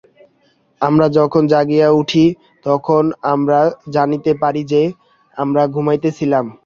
আমরা যখন জাগিয়া উঠি, তখন আমরা জানিতে পারি যে, আমরা ঘুমাইতেছিলাম।